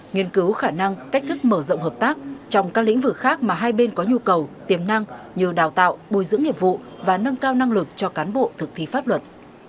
nghiên cứu khả năng cách thức mở rộng hợp tác trong các lĩnh vực khác mà hai bên có nhu cầu tiềm năng như đào tạo bồi dưỡng nghiệp vụ và nâng cao năng lực cho cán bộ thực thi pháp luật